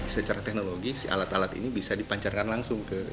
secara teknologi si alat alat ini bisa dipancarkan langsung ke